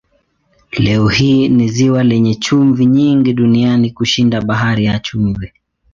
Leo hii ni ziwa lenye chumvi nyingi duniani kushinda Bahari ya Chumvi.